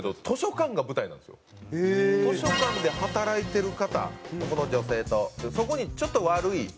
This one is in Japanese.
図書館で働いてる方この女性とそこにちょっと悪い